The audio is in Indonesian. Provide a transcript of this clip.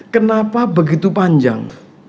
kenapa begitu panjang